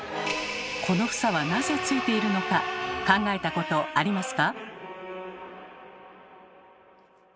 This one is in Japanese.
この房はなぜついているのか考えたことありますか？